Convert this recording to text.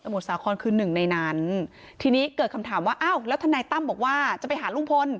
สาครคือหนึ่งในนั้นทีนี้เกิดคำถามว่าอ้าวแล้วทนายตั้มบอกว่าจะไปหาลุงพล